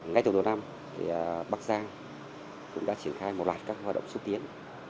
ngay từ đầu năm bắc giang cũng đã triển khai một loạt các hoạt động xúc tiến